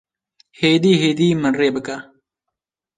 Hêdî hêdî min rê bike